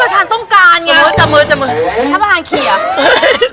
ท่านบไทน์เขียร์